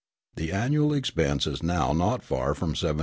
The annual expense is now not far from $75,000.